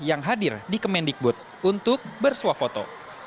yang hadir di kemendikbud untuk bersuah foto